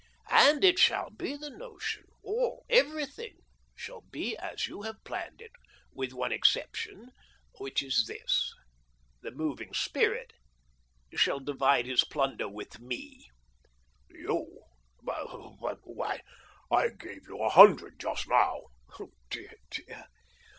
" And it shall be the notion. All — everything — shall be as you have planned it, with one ex ception, which is this. The moving spirit shall divide his plunder with me." " You ? But — but — why, I gave you a hundred just now !"" Dear, dear